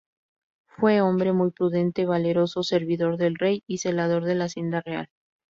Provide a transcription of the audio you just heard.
Fue hombre muy prudente, valeroso, servidor del rey y celador de la Hacienda Real.